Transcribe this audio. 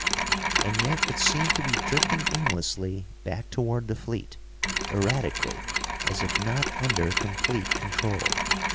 And yet it seemed to be drifting aimlessly back toward the fleet erratically, as if not under complete control.